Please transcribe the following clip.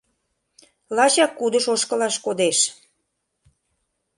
Лачак кудыш ошкылаш кодеш.